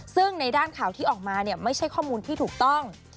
ซึ่งในด้านข่าวที่ออกมาเนี่ยไม่ใช่ข้อมูลที่ถูกต้อง